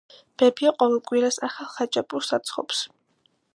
ბებია ყოველ კვირას ახალ ხაჭაპურს აცხობს.